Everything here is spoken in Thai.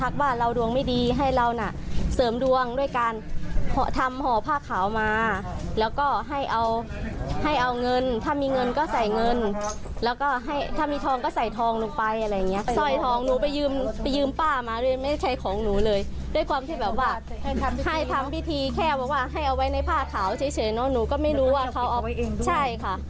เก่าเฉยนอกหนูก็ไม่รู้ว่าเขาใช่ค่ะ